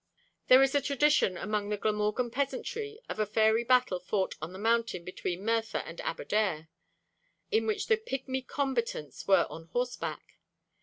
There is a tradition among the Glamorgan peasantry of a fairy battle fought on the mountain between Merthyr and Aberdare, in which the pigmy combatants were on horseback.